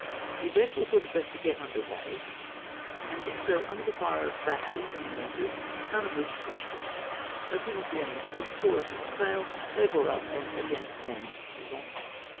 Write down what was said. We therefore thought best to get under weigh, and did so imder the fire of batteries and mortars, none of which touched us. As soon as the enemy's fleet saw us under sail, they bore up and again ran into Toulon.